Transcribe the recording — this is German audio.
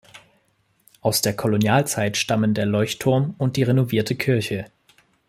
Aus der Kolonialzeit stammen der Leuchtturm und die renovierte Kirche.